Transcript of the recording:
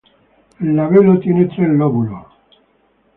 El labelo tiene tres lóbulos.